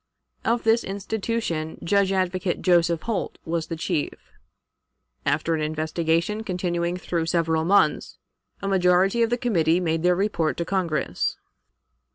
Of this institution Judge Advocate Joseph Holt was the chief. After an investigation continuing through several months, a majority of the committee made their report to Congress.